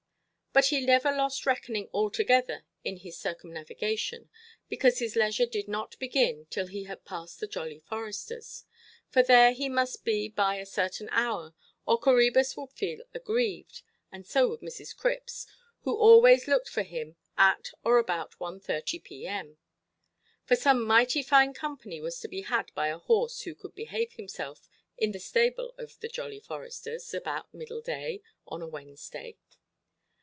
But he never lost reckoning altogether in his circumnavigation, because his leisure did not begin till he had passed the "Jolly Foresters"; for there he must be by a certain hour, or Coræbus would feel aggrieved, and so would Mrs. Cripps, who always looked for him at or about 1.30 P.M. For some mighty fine company was to be had by a horse who could behave himself, in the stable of the "Jolly Foresters", about middle–day on a Wednesday.